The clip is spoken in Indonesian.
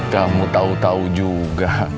kamu tau tau juga